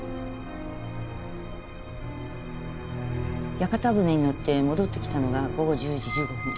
屋形船に乗って戻ってきたのが午後１０時１５分。